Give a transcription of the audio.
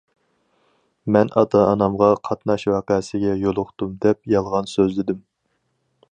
مەن ئاتا- ئانامغا« قاتناش ۋەقەسىگە يولۇقتۇم» دەپ يالغان سۆزلىدىم.